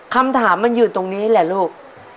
คำถามมันอยู่ตรงนี้แหละลูก